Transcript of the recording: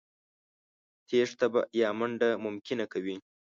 تېښته يا منډه ممکنه کوي.